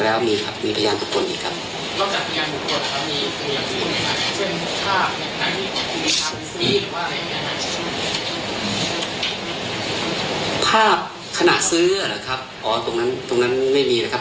แล้วตรงพยานบุคคลที่เราเชื่อผู้เลี้ยงมากที่ไหนเนี่ยครับ